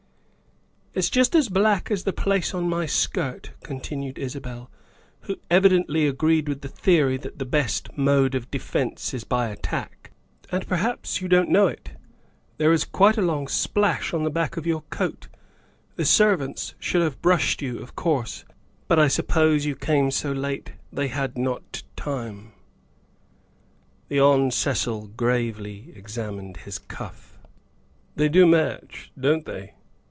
" It's just as black as the place on my skirt," con tinued Isabel, who evidently agreed with the theory that the best mode of defence is by attack, " and (perhaps you don't know it) there is quite a long splash on the back of your coat; the servants should have brushed you, of course, but I suppose you came so late they had not tune. '' The Hon. Cecil gravely examined his cuff. THE SECRETARY OF STATE 103 " They do match, don't they?"